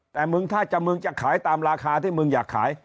แต่มึงถ้าจะมึงจะขายตามราคาที่มึงอยากขาย